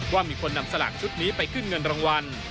ว่ามีคนนำสลากชุดนี้ไปขึ้นเงินรางวัล